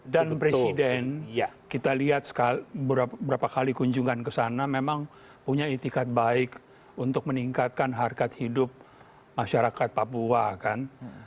dan presiden kita lihat berapa kali kunjungan kesana memang punya itikat baik untuk meningkatkan harga hidup masyarakat papua kan